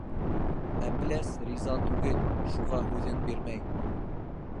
Әпләс риза түгел, шуға һүҙен бирмәй: